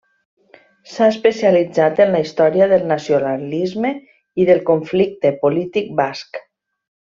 S'ha especialitzat en la història del nacionalisme i del conflicte polític basc.